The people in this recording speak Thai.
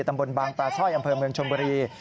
ตำบลบางตาช่อยอำเภอเมืองชนบุรี